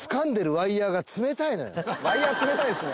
ワイヤ冷たいっすね